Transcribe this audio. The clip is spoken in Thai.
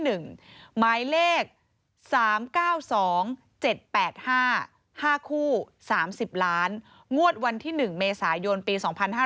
หมายเลข๓๙๒๗๘๕๕คู่๓๐ล้านงวดวันที่๑เมษายนปี๒๕๕๙